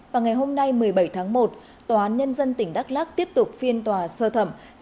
vào ngày hôm nay một mươi bảy tháng một tòa án nhân dân tỉnh đắk lắc tiếp tục phiên tòa sơ thẩm